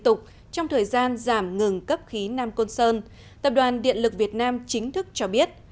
tục trong thời gian giảm ngừng cấp khí nam côn sơn tập đoàn điện lực việt nam chính thức cho biết